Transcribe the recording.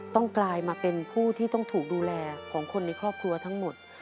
กลายมาเป็นผู้ที่ต้องถูกดูแลของคนในครอบครัวทั้งหมด